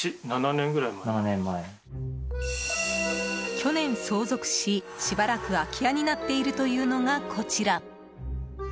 去年相続し、しばらく空き家になっているというのが、こちら。